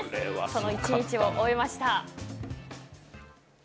その１日を追いました。